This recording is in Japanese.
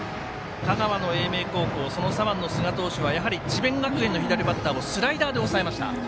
香川の英明高校左腕の須田投手をやはり智弁学園の左打者をスライダーで抑えました。